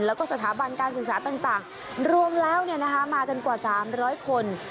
แล้วก็สถาบันการศึกษาต่างรวมแล้วมากันกว่า๓๐๐คน